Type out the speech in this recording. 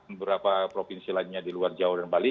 beberapa provinsi lainnya di luar jawa dan bali